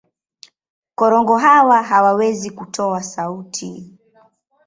Korongo hawa hawawezi kutoa sauti.